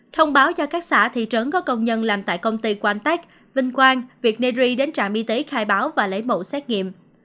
thông báo cho các xã thị trấn có công nhân làm tại công ty quangtec vinh quang vietnary đến trạm y tế khai báo và lấy bộ xét nghiệm